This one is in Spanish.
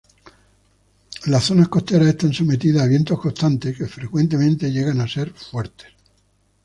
Las zonas costeras están sometidas a vientos constantes, que frecuentemente llegan a ser fuertes.